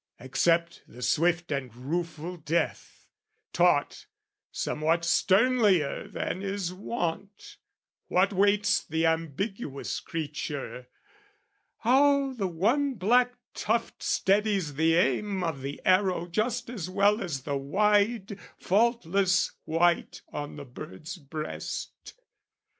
Accept the swift and rueful death, Taught, somewhat sternlier than is wont, what waits The ambiguous creature, how the one black tuft Steadies the aim of the arrow just as well As the wide faultless white on the bird's breast.